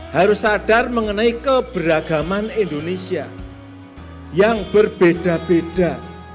harus sadar mengenai keberagaman indonesia yang berbeda beda